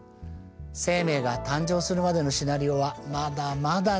生命が誕生するまでのシナリオはまだまだ謎だらけ。